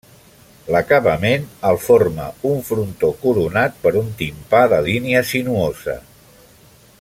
L'acabament el forma un frontó coronat per un timpà de línia sinuosa.